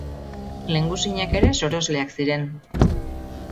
Lehengusinak ere sorosleak ziren.